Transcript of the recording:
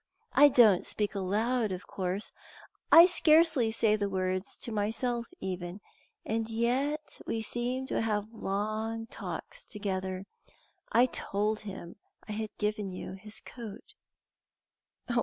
I don't speak aloud, of course; I scarcely say the words to myself even; and yet we seem to have long talks together. I told him I had given you his coat."